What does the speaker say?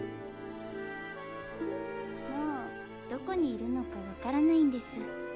もうどこにいるのか分からないんです。